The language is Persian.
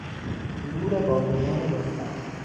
زور بازوان رستم